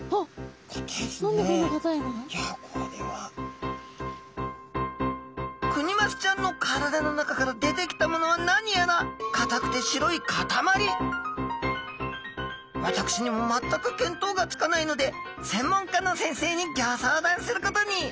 うわっクニマスちゃんの体の中から出てきたものは何やらかたくて私にも全く見当がつかないので専門家の先生にギョ相談することに！